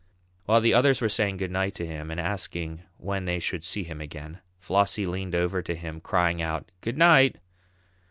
While the others were saying good night to him and asking when they should see him again, Flossie leaned over to him, crying out, "Good night!"